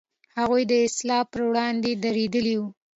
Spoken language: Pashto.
هغوی د اصلاح پر وړاندې درېدلي و.